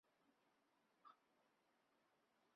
安定门站是北京环城铁路的车站。